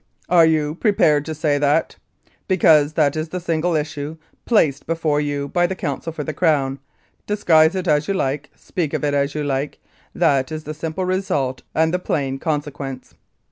"Are you prepared to say that? Because that is the single issue placed before you by counsel for the Crown ; disguise it as you like, speak of it as you like, that is the simple result and the plain consequence.